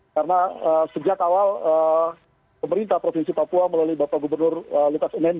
karena sejak awal pemerintah provinsi papua melalui bapak gubernur lukas nmd